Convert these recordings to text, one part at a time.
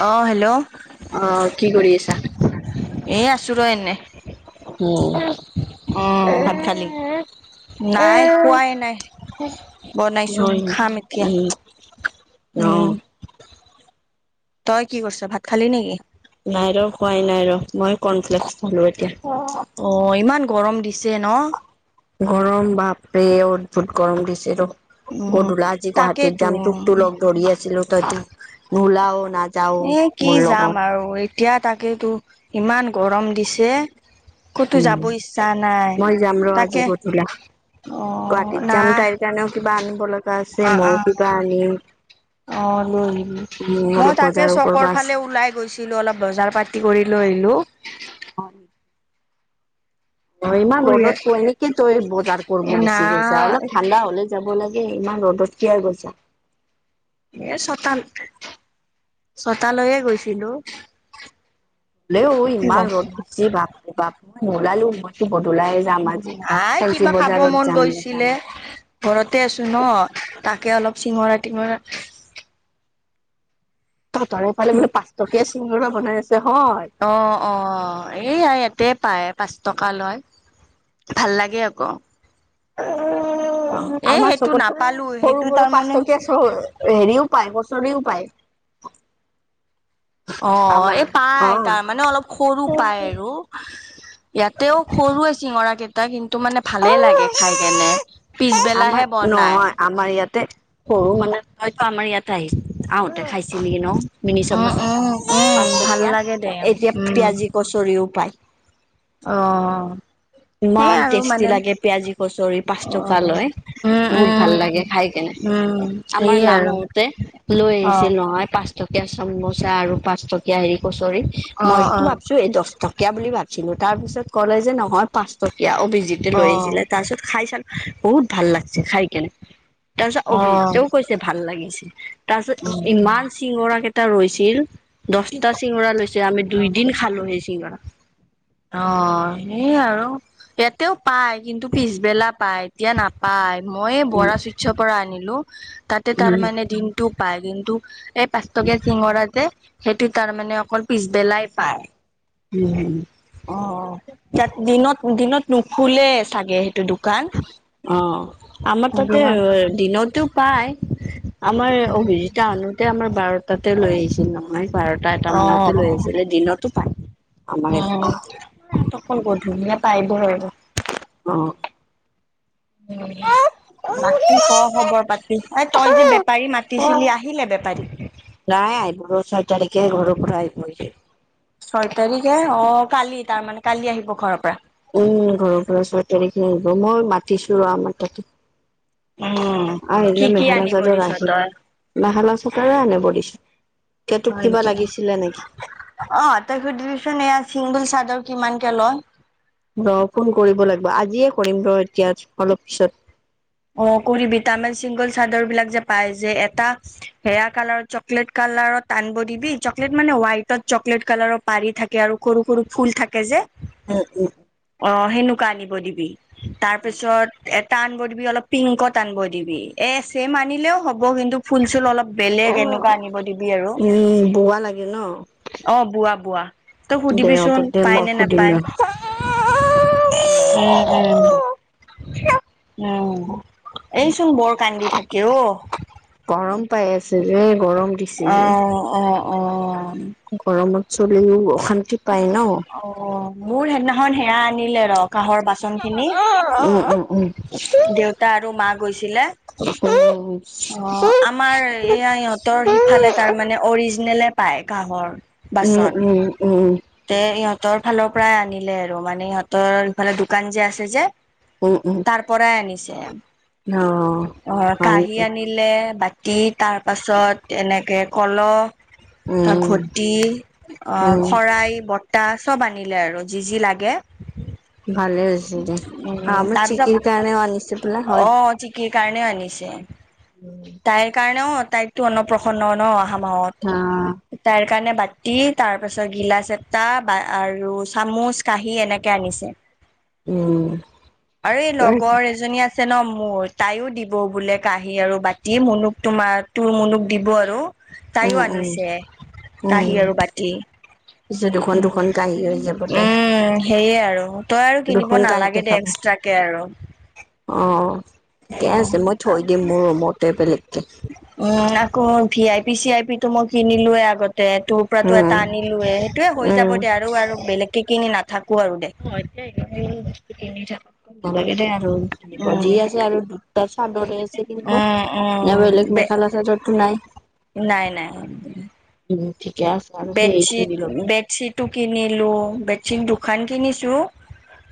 অ hello অহ কি কৰি আছা? এই আছোঁ ৰ এনেই। উ উম ভাত খালি? উ নাই খোৱাই নাই বনাইছো হয় খাম এতিয়া উ। উম অহ। তই কি কৰিছ ভাত খালি নেকি? নাই ৰ খোৱাই নাই ৰ মই কৰ্ণফ্লেক্স খালোঁ এতিয়া। অ ইমান গৰম দিছে ন? গৰম বাপৰে অদ্ভুত গৰম দিছে ৰ। উম গধুলা আজি গুৱাহাটীত তাকেইতো যাম তোক তো লগ ধৰি আছিলো তইতো নোলাও না এ কি যাম আৰু এতিয়া তাকেতো ইমান গৰম দিছে। ক'তো উম, যাব ইচ্ছা নাই মই যাম ৰ আজি তাকে। গধূলা। অ গুৱাহাটীত না যাম তাইৰ কাৰণেও কিবা আনিব লগা আছে অ ময়ো অ কিবা আনিম। অ লৈ আহিবি উম, মই অলপ তাকে বজাৰো কৰবা চকৰ আছে। ফালে ওলাই গৈছিলো অলপ বজাৰ পাতি কৰি লৈ হিলো। অ। অ ইমান খুৰীয়ে ৰ'দত কৈ এনেকে তই বজাৰ কৰব এ গুচি গৈছা নাই অলপ ঠাণ্ডা হলে যাব লাগে। ইমান ৰদত কিয়া গৈছা। এ ছতাল ছতালৈয়ে গৈছিলো। হ'লেও কি ক'ম ইমান ৰ'দ দিছে বাপৰে বাপ নুলালেও নহয়। নাই কিবা খাব বজাৰত মন যাম গৈছিলে ঘৰতে আছো ন তাক কে অলপ চিঙৰা টিঙৰা। তহঁতৰ এইফালে বোলে পাঁচ টকীয়া চিঙৰা বনাই আছে হয় অ অ এইয়া ইয়াত। তে পায় পাঁচ টকা লয় ভাল লাগে আকৌ উ। এ আমাৰ সেইটো চকতো নাপালো সেইটো সৰু সৰু তাৰমানে পাঁচটকীয়া চ হেৰিও পায় কছৰিও পায়। অ আমাৰ এই পাই অ তাৰ মানে অলপ সৰু পায় আৰু। ইয়াতেও সৰুৱে চিঙৰাকেইটা কিন্তু মানে ভালে লাগে খাই কেনে। পিছবেলাহে আমাৰ বনাই নহয় আমাৰ ইয়াতে সৰু মানে হয়তো আমাৰ ইয়াত আহি আহোতে খাইছে নেকি ন? মিনিচাম উম উম উম ভাল পাছতকিয়া লাগে দে এতিয়া উম পিয়াজি কচৰিও পায় অ', সেই ইমান আৰু টেষ্টি মানে লাগে পিয়াজি কচৰি পাঁচ। চ অ', লয় উম, বহুত ভাল লাগে উম। খাই কেনে উম, আমাৰ সেয়ে নাম আৰু হওঁতে লৈ অ', আহিছিল নহয় পাঁচ। পাঁচ টকীয়া চামোচা আৰু পাঁচটকীয়া হেৰি কচৰি অ', মইটো অ'। ভাবছো এই দশ টকীয়া বুলি ভাবছো ছিলো তাৰ পিছত ক'লে যে নহয় পাঁচ টকীয়া অভিজিতে লৈ অ', অ', আহিছিলে তাৰ পিছত খাই চালো বহুত ভাল লাগছে খাই কেনে। তাৰপিছত অভিজিতেও কৈছে ভাল লাগিছে তাৰপিছত উম, ইমান চিঙৰাকেইটা ৰৈছিল। দহটা চিঙৰা লৈছে আমি দুই দিন খালো সেই চিঙৰা অ সেই আৰু ইয়াতেও পাই কিন্তু পিছবেলা পায় এতিয়া নাপায় মই উম, বৰা চুইটচৰ পৰা আনিলো তাত। তাৰ উম, মানে দিনটো পায় কিন্তু এই পাঁচটকীয়া চিঙৰা যে সেইটো তাৰ মানে অকল পিছবেলাই পায়। উম হম। অ ইয়াত দিনত দিনত নুখুলে চাগে সেইটো দোকান অ আমাৰ তাতে দিনত দিনতো পায় আমাৰ উম। অভিজিতা আনোতে আমাৰ বাৰটাতে লৈ আহিছিল নহয় বাৰটা এটা মানতে লৈ আহিছিলে দিনতো পায় আমাৰ অঁ এইফালে। ইয়াত অকল গধূলিহে পাই ভৰ অ উম বাকি ক খবৰ পাতি অই তই যে বেপাৰী মাতিছিলি আহিলে বেপাৰী নাই আহিব বোৰ ছয় তাৰিখে ঘৰ পৰা আহিব ছয় তাৰিখে অ কালি তাৰমানে কালি আহিব ঘৰৰ পৰা উম ঘৰৰ পৰা ছয় তাৰিখে আহিব মই মাতিছো ৰ আমাৰ তাতে উম, কি আহিলে কি মেখেলা আনিব চাদৰ দিছ আহিল তই? মেখেলা চাদৰে আনিব দিছে হয় নেকি অ তই সুধিবচোন এয়া চিংগল চা দৰ কিমানকে লয় ৰ ফোন কৰিব লাগিব আজিয়ে কৰিম ৰ এতিয়া অলপ পিছত অ কৰি ভিটামিন চিংগল চাদৰ বিলাক যে পায় যে এটা হেয়া কালাৰ চকলেট কা লাৰত আনব দিবি চকলেট মানে হোৱাইটত চকলেট কালাৰৰ পাৰি থাকে আৰু সৰু সৰু ফুল থাকে যে উম উম অ সেনেকোৱা আনব দিবি তাৰপিছত এটা আনব দিবি অলপ পিংকত আনব দিবি এ চেম আনিলেও হ'ব কিন্তু ফুল চুল অলপ বেলেগ এনেকোৱা আনিব দিবি আৰু উম বোৱা লাগে ন অ বোৱা বোৱা তই দে হ'ব সুধিবিচোন দে পাই মই নে সুধিম নাপায় ৰ। উম উম [unintelligible] উম এইচোন বৰ কান্দি থাকে অ গৰম পাই আছিলে অ অ অ গৰমত চলিও অশান্তি পায় ন। অ মোৰ সেইদিনাখন সেয়া আনিলে ৰ কাঁহৰ বাচন খিনি উম উম উম দেউতা আৰু মা গৈছিলে উম অ আমাৰ এয়া ইহঁতৰ সিফালে তাৰমানে অৰিজিনেলে পায় কাঁহৰ বাচন উম উম তে ইহঁতৰ ফালৰ পৰাই আনিলে আৰু মানে ইহঁতৰ ইফালে দোকান যে আছে যে উম উম তাৰ পৰাই আনিছে অ অ হয় কাহী নেকি আনিলে বা তি তাৰপাছত এনেকে কলহ ত উম ঘটি অহ উম শৰাই। লোটা চব আনিলে আৰু যি যি লাগে। ভালে হৈছে দে উ আমাৰ তাৰপিছত চিকিৰ কাৰণেও আনিছে বোলে হয়। অ জিকিৰ কাৰণে আনি। ছে তাইৰ কাৰণেও তাইকতো অন্নপ্ৰসন্ন ন হাঔ। উম তাইৰ কাৰণে বাতি তাৰ পাছত গিলাচ এ। টা বা আৰু চামুচ কাঁহী এনেকে আনিছে। উম আৰু এই লগৰ এজনী আছে ন ম মোৰ তাইও দিব বোলে কাঁহি আৰু বাতি মুনুক তোমাৰ তোৰ মুনুক দিব আৰু উম তাইও আনিছে কাহি উম আৰু বাতি। পিছে দুখন দুখন গাড়ী হৈ যাব উ তাই উম সেয়ে আৰু তই আৰু কিনিব দুখন গাড়ী নালাগে দে দেখাব এক্সট্ৰাকে আৰু অ ঠিকে আছে মই থৈ দিম মোৰ ৰুমতে বেলেগকে উম আকৌ V I P C I P তো মই কিনিলোয়ে আগত। দে তোৰ পৰা তো এটা উম আনিলোে সেইটোয়ে হৈ যাব উম দে আৰু আৰু বেলেগকে কিনি নাথ অ এয়া নি। নালাগে দে আৰু কিনিব উম যি আছে আৰু দুটা চাদৰে আছে কিনিব উম না উম বেলেগ বে মেখেলা চাদৰোতো নাই। নাই নাই। উম ঠিকে আছে আৰু সেই বেডশ্বীট কিনি লবি - বেডশ্বীটো কিনিলো, বেডশ্বীট দুখান কিনিছো।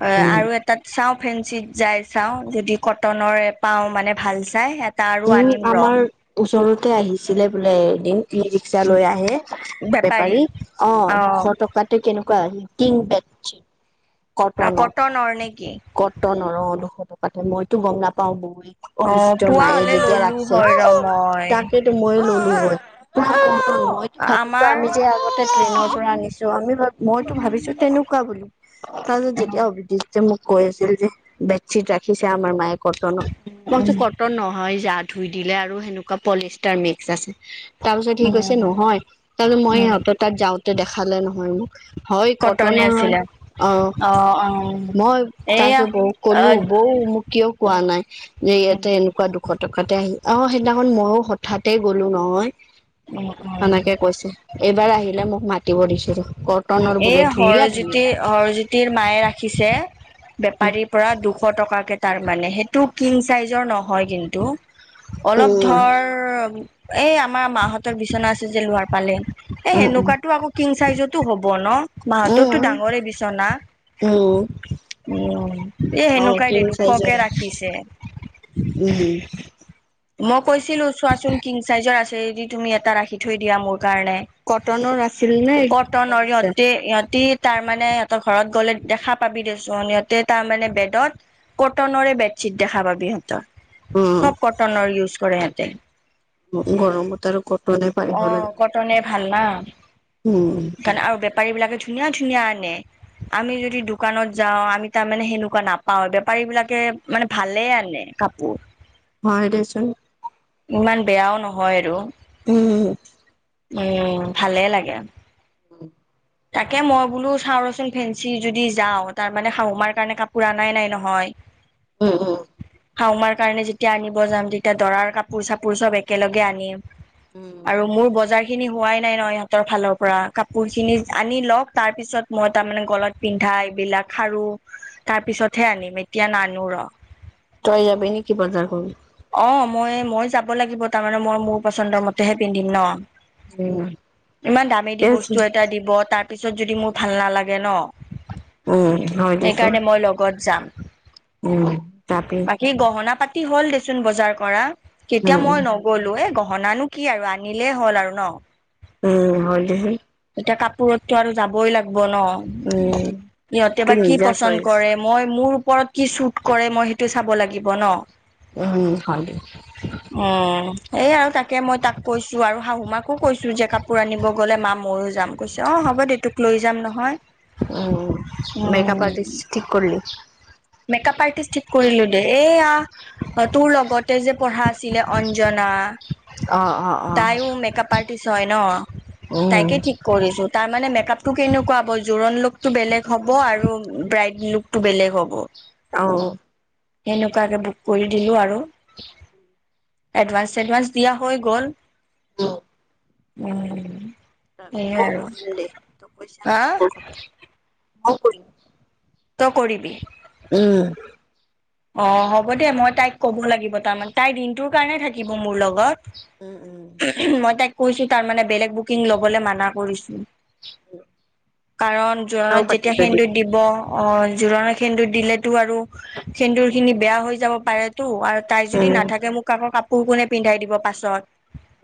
এ উম আৰু এটাত চাওঁ ফেঞ্চিত যাই চাওঁ যদি কটনৰে পাওঁ মানে ভাল চাই এট উম আমাৰ ওচৰতে আহিছিলে বোলে এদিন। ই ৰিক্সা লৈ আহে বেপাৰী, অ' দুশ টকাতে কেনেক কুৱা কিং বেডশ্বীত কটনৰ, কটনৰ অ' দুশ টকা। মইতো গম নাপাওঁ অ পুৱা হলে এতিয়া ললো ৰাখছে হয় ৰ মই তাকেতো মইয়ো ললু হৈ। মইতো ভাবিছো আমাৰ আমি যে আগতে ট্ৰেইনৰ পৰা আনিছো, আমি - মইতো ভাবিছো তেনেকুৱা বুলি। তাৰপিছত যেতিয়া [unintelligible] দি যে মোক। কৈ আছিল যে বেডশ্বীট ৰাখিছে আমাৰ মায়ে কটনৰ মই কৈছোঁ কটন নহয়। জা ধুই দিলে আৰু সেনেকুৱা পলিষ্টাৰ মিক্স আছে। তাৰপিছত সি কৈছে উম নহয়, তাৰপিছত মই উম সিহঁতৰ তাত যাওঁতে দেখালে নহয় মোক। হয় কটনে কটনৰ হয়। আছিলে অ'। মই তাৰ এয়া পিছত বৌক অ কলো বৌ মোক কিয় কোৱা উম নাই যে উম ইয়াতে এনেকুৱা দুশ শ টকাতে আহি অ সেইদিনাখন মইয়ো হঠাতে গ'লো নহয়। উম উম সেনেকে কৈছে, এইবাৰ আহিলে মোক মাতিব দিছো ৰস। এই হৰজ্যোতি হৰজ্যোতিৰ মায়ে ৰাখিছে। বেপাৰীৰ পৰা দুশ টকাকে। তাৰ মানে সেইটো কিং চাইজৰ নহয় কিন্তু উম অলপ ধৰ এই আমাৰ মা হঁতৰ বিচনা আছে যে লোৱাৰ পালে এ উম সেনেকুৱাতো আক টো হ'ব ন মা উম হতৰতো ডাঙৰে বিচনা। উম উম উম এ অ সেনেকুৱাই কিং দেই চাইজৰ দুশকে ৰাখিছে। [unintelligible] মই কৈছিলো চোৱাচোন কিং চাইজৰ আছে যদি তুমি এটা ৰাখি থৈ দিয়া মোৰ কাৰণে, কটনৰ আছিল নে কটনৰ পলিষ্টাৰ সিহতে সিহতি তাৰমানে সিহতৰ ঘৰত গলে দেখা পাবি দেছোন সিহতে তাৰ মানে বেডত কটনৰে বেড শ্বীত দেখা পাবি সিহতৰ। উম। উজ কৰে সেতে। গৰমত আৰু কটনে অ পাৰিব লাগে। কটনে ভাল ন, উম কাৰণ আৰু বেপাৰী বিলাকে ধুনীয়া ধুনীয়া আনে আমি যদি দোকানত যাও আমি তাৰমানে সেনেকুৱা নাপাও বেপাৰী বিলাকে মানে ভালে আনে। কাপোৰ হয় দেছোন। ইমান বেয়াও নহয় আৰু। উম। উম, ভালে লাগে। [inaudible] তাকে মই বোলো চাওঁ ৰচোন ফেঞ্চি যদি যাওঁ তাৰ মানে শাহু মাৰ কাৰণে কাপোৰ আনাই নাই নহয়। উম, উম। শাহু মাৰ কাৰণে যেতিয়া আনিব যাম তেতিয়া দৰাৰ কাপোৰ -চাপোৰ চব একেলগে আনিম। উম আৰু মোৰ বজাৰ খিনি হোৱাই নাই নহয় ইহঁতৰ ফালৰ পৰা কাপোৰ খিনি আনি লওক তাৰ পিছত মই তাৰমানে গলত পিন্ধা এইবিলাক খাৰু তাৰ পিছতহে আনিম। এতিয়া নানু ৰ। তই যাবি নেকি বজাৰ কৰিবলে? অহ, ময়ে - মই যাব লাগিব তাৰমানে মই মোৰ পচন্দৰ মতেহে পিন্ধিম ন'। উম ইমান দামেদি ঠিকে আছে বস্তু এটা দিব তাৰ পিছত যদি মোৰ ভাল নালাগে ন'। এইকাৰণে মই লগত যাম। উম, যাপি তি হ'ল দেচোন বজাৰ কৰা কেতিয়া মই নগ'লো এ ভনানো কি আৰু আনিলেই হ'ল আৰু ন'। উম, হয় দেহে। এতিয়া কাপোৰতটো আৰু যাবই লাগব ব ন' সিহঁতে বা কি নিজা পচন্দ চইচ কৰে। মই মোৰ ওপৰত কি শ্বুট কৰে মই সেইটো চাব লাগিব ন'। উম, হয় দে। হেইয়ে আৰু তাকে মই তাক কৈছো আৰু শাহু মাকো কৈছো যে কাপোৰ আনিব গ'লে মা ময়ো যাম। কৈছে অহ হ হ'ব দে তোক লৈ যাম নহয়। উম, উম মেকআপ আৰ্টিষ্ট ঠিক কৰলি? মেকপ আৰ্টিষ্ট ঠিক কৰিলো দে, এ আ তোৰ লগতে যে পঢ়া আছিলে অঞ্জনা অ অ অ তাইও মেকআপ আৰ্টিষ্ট হয় ন' উম তাইকে ঠিক কৰিছো, তাৰ মানে মেকআপ টো কেনেকুৱা হ'বজোৰণ লোক টো বেলেগ হ'ব আৰু ব্ৰাইড লুক টো বেলেগ হ'ব। অহ। এনেকুৱাকে বুক কৰি দিলো আৰু এডভানস -চেডভানস দিয়া হৈ গ'ল। উম। উম সেয়াই মই আৰু কৰিম দে [unintelligible] মই হা কৰিম ত' কৰিবি? উম, অহ, হ'ব দে মই তাইক কব লাগিব তাৰমানে তাই দিনটোৰ কাৰণে থাকিব মোৰ লগত। উম, উম। মই তাইক কৈছো তাৰ মানে বেলেগ বুকিং ল'বলে মানা কৰিছো। কাৰণ কথাও জোৰণত পাতি যেতিয়া থৈ দিম সেন্দুৰ দিব অহ, জোৰণত সেন্দুৰ দিলেতো আৰু সেন্দুৰ খিনি বেয়া হৈ যাব পাৰে টো, আৰু তাই যদি উম নাথাকে মোক আাকৌ কাপোৰ কোনে পিন্ধাই দিব পাছত?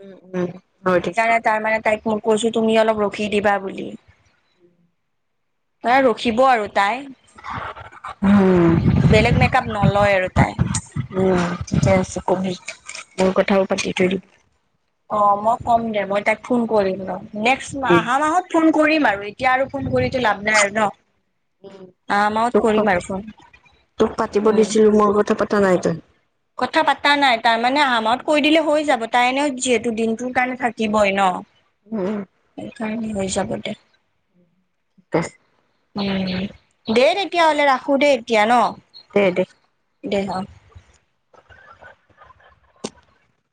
উম উম হয় দে সেইকাৰণে তাৰ মানে তাইক মই কৈছো, তুমি অলপ ৰখি দিবা বুলি। [inaudible] তাই ৰখিব আৰু। তাই উম' বেলেগ মেকআপ নলয় আৰু তাই। ঠিকে কবি, মোৰ কথাও পাতি থৈ অ মই ক'ম দে মই তাইক ফোন কৰিম ৰ, নেক্সট আহা মাহত ফোন কৰিম আৰু এতিয়া আৰু ফোন কৰিতো লাভ নাই আৰু ন? আহা মাহত তোক, কৰিম আৰু ফোন তোক পাতিব উম দিছিলো মোৰ কথা পাতা নাই তই? কথা পাতা নাই তাৰ মানে আৰামত কৈ দিলে হৈ যাব, তাই এনেও যিহেতু দিনটোৰ কাৰণে থাকিবই ন। উম' উম' হৈ যাব দে। বেছ উম' দে তেতিয়াহ'লে ৰাখোঁ দে এতিয়া ন? দে অহ।